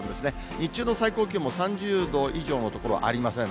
日中の最高気温も、３０度以上の所はありません